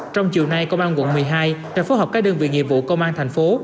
trong chiều nay công an quận một mươi hai đã phối hợp các đơn vị nghiệp vụ công an thành phố